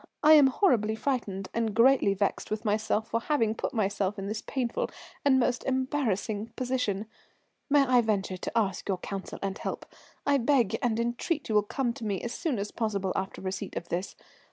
I am horribly frightened, and greatly vexed with myself for having put myself in this painful and most embarrassing position. "May I venture to ask your counsel and help? I beg and entreat you will come to me as soon as possible after receipt of this.